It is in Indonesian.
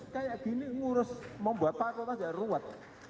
kayak gini ngurus mau buat fakultas ya ruwet